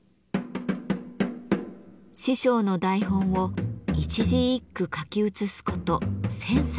師匠の台本を一字一句書き写すこと１，０００冊。